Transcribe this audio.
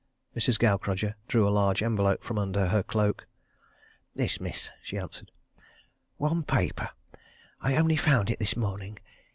Mrs. Gaukrodger drew a large envelope from under her cloak. "This, miss," she answered. "One paper I only found it this morning.